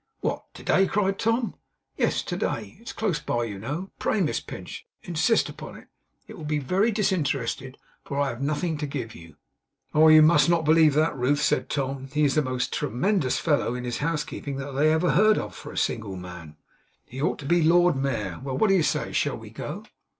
'What, to day?' cried Tom. 'Yes, to day. It's close by, you know. Pray, Miss Pinch, insist upon it. It will be very disinterested, for I have nothing to give you.' 'Oh! you must not believe that, Ruth,' said Tom. 'He is the most tremendous fellow, in his housekeeping, that I ever heard of, for a single man. He ought to be Lord Mayor. Well! what do you say? Shall we go?